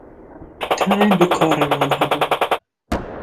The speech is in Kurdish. tenê du kerên wan hebûn